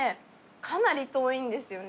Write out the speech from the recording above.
かなり遠いんですよね。